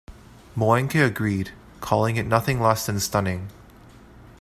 Moehnke agreed, calling it "nothing less than stunning".